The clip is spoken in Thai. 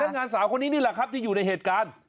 งานสาวคนนี้นี่แหละครับที่อยู่ในเหตุการณ์